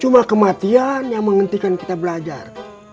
cuma kematian yang menghentikan kita belajar